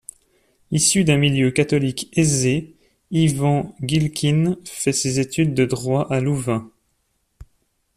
Issu d'un milieu catholique aisé, Iwan Gilkin fait ses études de droit à Louvain.